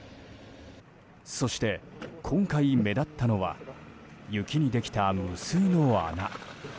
そして今回、目立ったのは雪にできた無数の穴。